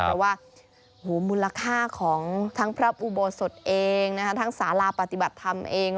เพราะว่ามูลค่าของทั้งพระอุโบสถเองทั้งสาราปฏิบัติธรรมเอง